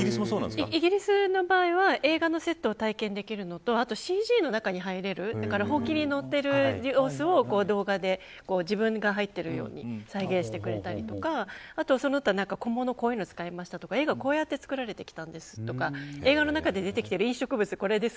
イギリスの場合は映画のセットを体験できるのとＣＧの中に入れる、ほうきに乗っている様子を動画に自分が入っているように再現してくれたりとか小物はこういうのを使いました映画はこうやって作られたんですとか